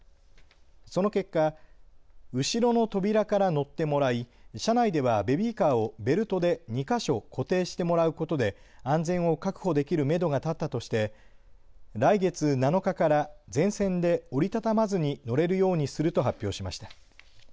その結果、後ろの扉から乗ってもらい車内ではベビーカーをベルトで２か所固定してもらうことで安全を確保できるめどが立ったとして来月７日から全線で折り畳まずに乗れるようにすると発表しました。